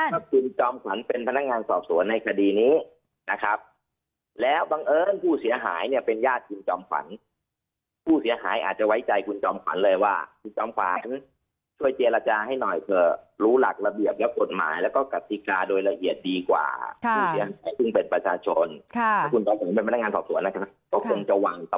ถ้าคุณจอมขวัญเป็นพนักงานสอบสวนในคดีนี้นะครับแล้วบังเอิญผู้เสียหายเนี่ยเป็นญาติคุณจอมขวัญผู้เสียหายอาจจะไว้ใจคุณจอมขวัญเลยว่าคุณจอมขวัญช่วยเจรจาให้หน่อยเผื่อรู้หลักระเบียบและกฎหมายแล้วก็กติกาโดยละเอียดดีกว่าผู้เสียหายซึ่งเป็นประชาชนถ้าคุณบอกผมเป็นพนักงานสอบสวนนะครับก็คงจะหวังต่อ